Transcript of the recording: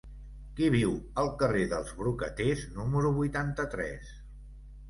Qui viu al carrer dels Brocaters número vuitanta-tres?